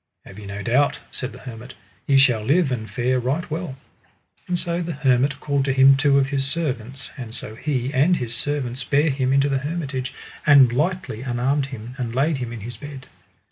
Have ye no doubt, said the hermit, ye shall live and fare right well. And so the hermit called to him two of his servants, and so he and his servants bare him into the hermitage, and lightly unarmed him, and laid him in his bed.